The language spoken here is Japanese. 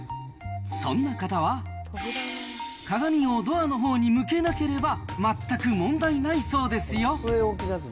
そんな方は、鏡をドアのほうに向けなければ、全く問題ないそうですよ。